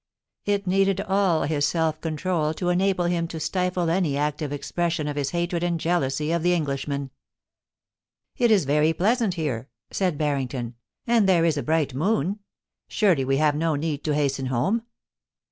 It needed all his self control to enable him to stifle any active expres sion of his hatred and jealousy of the Englishman. * It is very pleasant here,' said Harrington, ' and there is a bright moon. Surely we have no need to hasten home.'